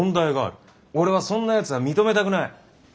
俺はそんなやつは認めたくない。